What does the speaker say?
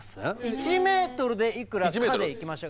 １ｍでいくらかでいきましょうか。